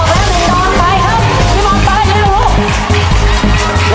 ไม่ออกเปลี่ยนตู้ครับ